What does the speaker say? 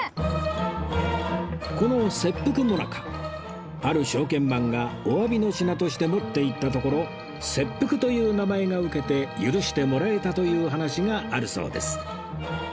この切腹最中ある証券マンがお詫びの品として持っていったところ「切腹」という名前がウケて許してもらえたという話があるそうです